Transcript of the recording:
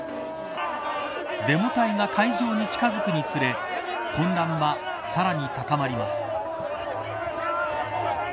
デモ隊が会場に近づくにつれ混乱は、さらに高まります。